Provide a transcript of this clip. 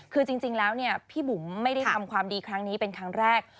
คือจริงแล้วเนี่ยพี่บุ๋มไม่ได้ทำความดีครั้งนี้เป็นครั้งแรก